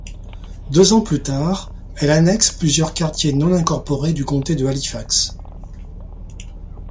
Deux ans plus tard, elle annexe plusieurs quartiers non incorporés du comté de Halifax.